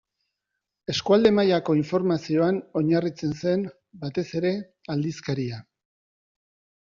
Eskualde-mailako informazioan oinarritzen zen, batez ere, aldizkaria.